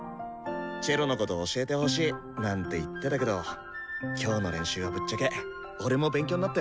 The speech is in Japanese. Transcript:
「チェロのこと教えてほしい」なんて言ってたけど今日の練習はぶっちゃけ俺も勉強になったよ。